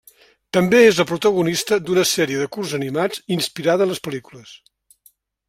També és el protagonista d'una sèrie de curts animats inspirada en les pel·lícules.